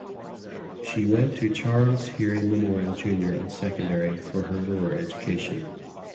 She went to Charles Heery Memorial Junior and Secondary for her lower education.